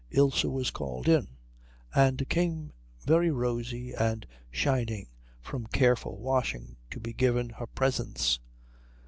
Ilse was called in, and came very rosy and shining from careful washing to be given her presents.